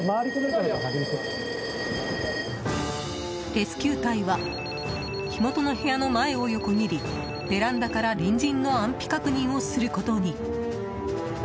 レスキュー隊は火元の部屋の前を横切りベランダから隣人の安否確認をすることに。